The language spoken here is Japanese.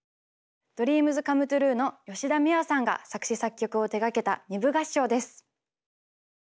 ＤＲＥＡＭＳＣＯＭＥＴＲＵＥの吉田美和さんが作詞・作曲を手がけた二部合唱です。